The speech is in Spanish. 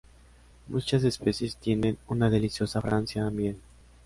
Muchas especies tienen una deliciosa fragancia a miel.